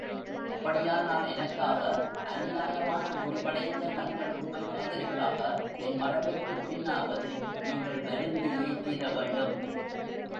அப்படியானால் எனக்காக அநியாயமான முடிவடைந்த தங்கள் உண்மைக் காதலிக்காக என் மறைவுக்குப் பின்னாவது நீங்கள் வருந்தியே தீரவேண்டும்.